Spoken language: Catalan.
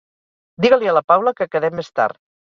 Diga-li a la Paula que quedem més tard